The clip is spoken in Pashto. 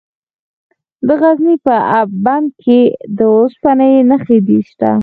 د غزني په اب بند کې د اوسپنې نښې شته.